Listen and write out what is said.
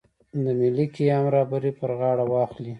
د ملي قیام رهبري پر غاړه واخلي.